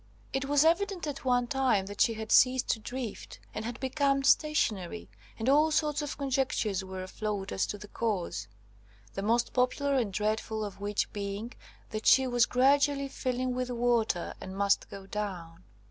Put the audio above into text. It was evident at one time that she had ceased to drift, and had become stationary, and all sorts of conjectures were afloat as to the cause; the most popular and dreadful of which being, that she was gradually filling with water, and must go down.